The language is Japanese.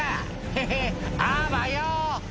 ヘヘっあばよ！」